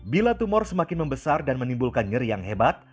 bila tumor semakin membesar dan menimbulkan nyeri yang hebat